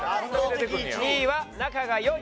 ２位は「仲が良い」。